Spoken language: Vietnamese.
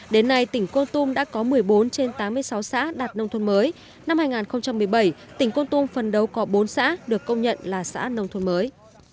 đến nay tỉnh con tum đã có một mươi bốn trên tám mươi sáu xã đạt nông thôn mới năm hai nghìn một mươi bảy tỉnh con tum phần đầu có bốn xã được công nhận là xã nông thôn mới